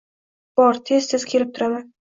-Bor. Tez-tez kirib turaman.